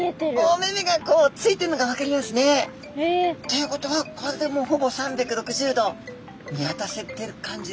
お目々がこうついてるのが分かりますね。ということはこれでもうほぼ３６０度見渡せてる感じですね。